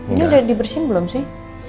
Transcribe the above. ini udah dibersihin belum sih